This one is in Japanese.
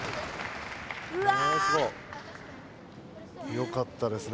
よかったですね